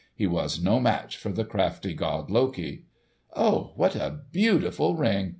He was no match for the crafty god Loki. "Oh, what a beautiful ring!"